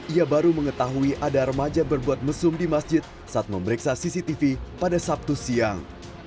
ia baru mengetahui ada remaja berbuat mesum di masjid saat memeriksa cctv pada sabtu siang